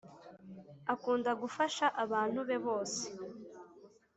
Akunda gufasha abantu bose